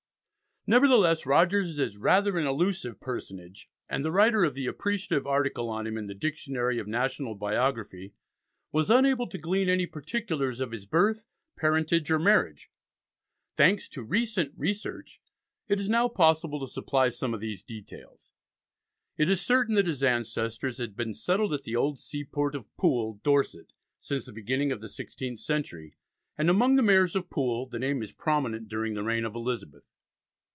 Nevertheless, Rogers is rather an elusive personage, and the writer of the appreciative article on him in the "Dictionary of National Biography" was unable to glean any particulars of his birth, parentage, or marriage. Thanks to recent research it is now possible to supply some of these details. It is certain that his ancestors had been settled at the old seaport of Poole, Dorset, since the beginning of the sixteenth century, and among the mayors of Poole the name is prominent during the reign of Elizabeth.